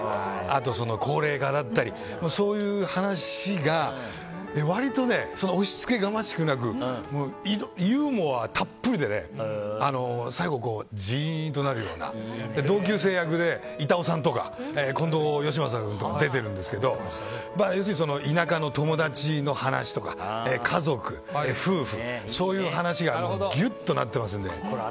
あと、高齢化だったりそういう話が割と、押しつけがましくなくユーモアたっぷりで最後、ジーンとなるような同級生役で板尾さんとか近藤芳正君とかが出てるんですけど田舎の友達の話とか家族、夫婦、そういう話がギュッとなってますんで。